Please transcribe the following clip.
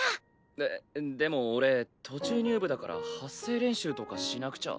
ででも俺途中入部だから発声練習とかしなくちゃ。